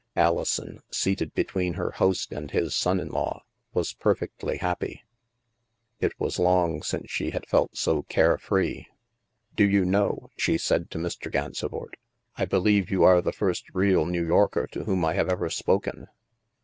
Alison, seated between her host and his son in law, was perfectly happy. It was long since she had felt so carefree. " Do you know," she said to Mr. Gansevoort, " I THE MAELSTROM 147 believe you are the first real New Yorker to whom I have ever spoken."